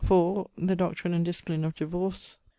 The Doctrin and Disciplin of Divorce.